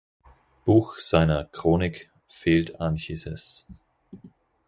Buch seiner "Chronik" fehlt Anchises.